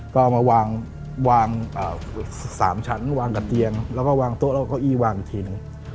ก็เอามาวาง๓ชั้นวางกับเตียงแล้วก็วางโต๊ะแล้วก็เก้าอี้วางอีกทีหนึ่ง